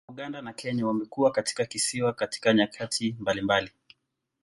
Polisi wa Uganda na Kenya wamekuwa katika kisiwa katika nyakati mbalimbali.